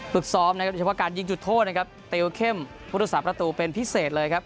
ปรึกซ้อมนะครับเฉพาะการยิงจุดโทษนะครับเตรียมเข้มโทรศัพท์ประตูเป็นพิเศษเลยครับ